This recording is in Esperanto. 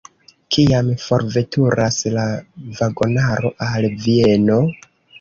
Kiam forveturas la vagonaro al Vieno?